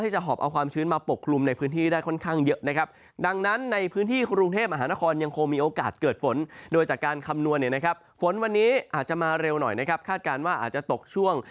จากนางคำนวณท่าน